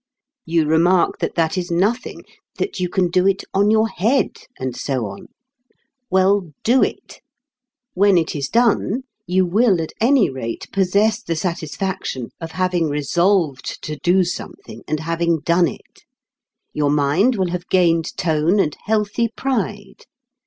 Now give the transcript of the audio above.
You remark that that is nothing, that you can do it "on your head," and so on. Well, do it. When it is done you will at any rate possess the satisfaction of having resolved to do something and having done it. Your mind will have gained tone and healthy pride.